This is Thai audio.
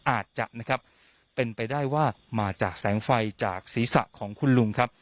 อาจจะนะครับเป็นไปได้ว่ามาจากแสงไฟจากศีรษะของคุณลุงครับ